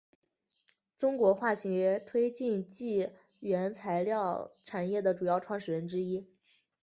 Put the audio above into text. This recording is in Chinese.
中国化学推进剂原材料产业的主要创始人之一。